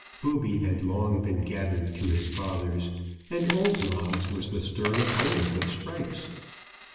Booby had long been gathered to his fathers, and old Moggs was the stern opponent of strikes.